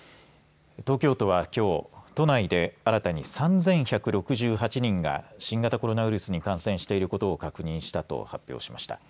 東京都はきょう都内で新たに３１６８人が新型コロナウイルスに感染していることを確認したと発表しました。